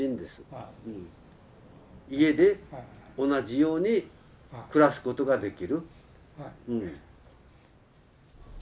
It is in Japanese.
家で同じように暮らすことができる。